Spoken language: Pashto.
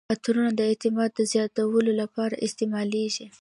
عطرونه د اعتماد زیاتولو لپاره استعمالیږي.